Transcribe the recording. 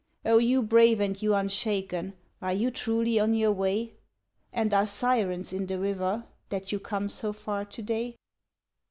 O you brave and you unshaken, Are you truly on your way? And are sirens in the River, That you come so far to day?"